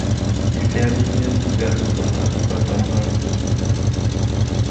Die Fährlinien werden von Arriva Danmark betrieben.